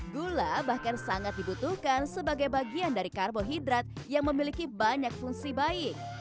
gula bahkan sangat dibutuhkan sebagai bagian dari karbohidrat yang memiliki banyak fungsi baik